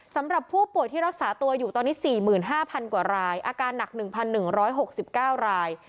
สำหรับผู้ป่วยที่รักษาตัวอยู่ตอนนี้๔๕๐๐กว่ารายอาการหนัก๑๑๖๙ราย